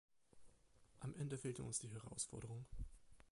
Am Ende fehlte uns die Herausforderung.